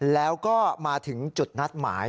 แล้วก็มาถึงจุดนัดหมาย